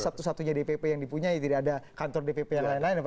satu satunya dpp yang dipunyai tidak ada kantor dpp yang lain lain